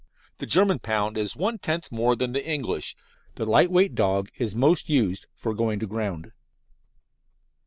The German pound is one tenth more than the English. The light weight dog is most used for going to ground.